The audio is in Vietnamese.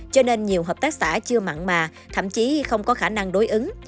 cho nên nhiều hợp tác xã chưa mặn mà thậm chí không có khả năng đối ứng